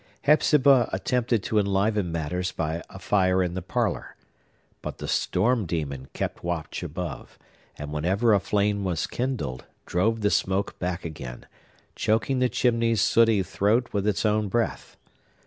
Hepzibah attempted to enliven matters by a fire in the parlor. But the storm demon kept watch above, and, whenever a flame was kindled, drove the smoke back again, choking the chimney's sooty throat with its own breath.